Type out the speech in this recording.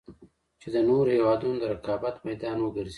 چـې د نـورو هېـوادونـو د رقـابـت مـيدان وګـرځـي.